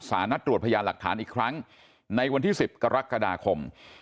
นัดตรวจพยานหลักฐานอีกครั้งในวันที่๑๐กรกฎาคม